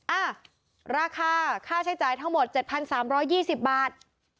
อ่ะราคาค่าใช้จ่ายทั้งหมด๗๓๒๐บาท